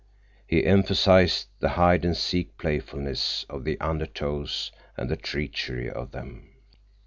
He emphasized the hide and seek playfulness of the undertows and the treachery of them.